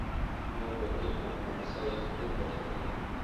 موږ وکیل محمدزی وپوښتله.